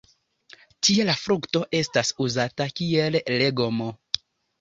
Tie la frukto estas uzata kiel legomo.